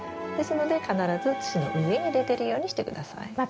ですので必ず土の上に出てるようにして下さい。